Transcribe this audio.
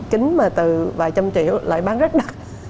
kính mà từ vài trăm triệu lại bán rất đắt